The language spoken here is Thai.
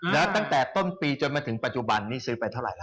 แล้วตั้งแต่ต้นปีจนมาถึงปัจจุบันนี้ซื้อไปเท่าไหร